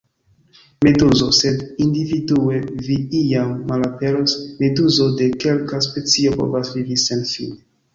Meduzo: "Sed individue vi iam malaperos. Meduzo de kelka specio povas vivi senfine."